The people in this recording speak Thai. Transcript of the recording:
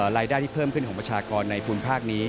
รายได้ที่เพิ่มขึ้นของประชากรในภูมิภาคนี้